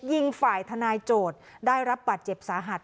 ยิงฝ่ายทนายโจทย์ได้รับบาดเจ็บสาหัส